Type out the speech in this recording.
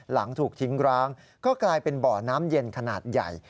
หลังถูกทิ้งร้างก็กลายเป็นบ่อน้ำเย็นขนาดใหญ่